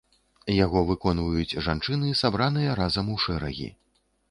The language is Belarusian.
Яго выконваюць жанчыны, сабраныя разам у шэрагі.